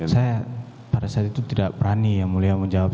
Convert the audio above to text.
saya pada saat itu tidak berani ya mulia menjawab